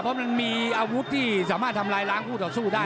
เพราะมันมีอาวุธที่สามารถทำลายล้างคู่ต่อสู้ได้